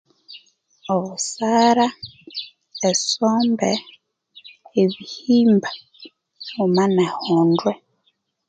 Obusara, esombe, ebihimba haghuma n'ehondwe